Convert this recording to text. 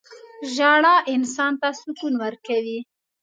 • ژړا انسان ته سکون ورکوي.